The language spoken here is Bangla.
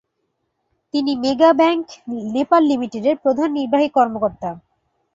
তিনি মেগা ব্যাংক নেপাল লিমিটেডের প্রধান নির্বাহী কর্মকর্তা।